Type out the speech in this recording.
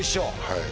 はい。